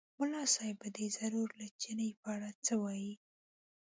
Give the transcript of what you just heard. ملا صاحب به دی ضرور له چیني په اړه څه ووایي.